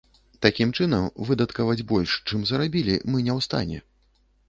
Такім чынам, выдаткаваць больш, чым зарабілі, мы не ў стане.